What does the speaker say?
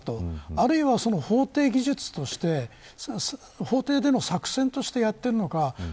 あるいは、法廷技術として法廷での作戦としてやっているのか。